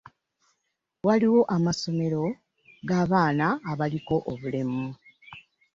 Waliwo amasomero g'abaana abaliko obulemu.